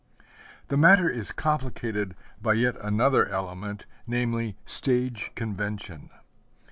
The matter is complicated by yet another element, namely stage convention.